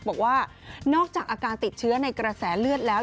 บอกว่านอกจากอาการติดเชื้อในกระแสเลือดแล้ว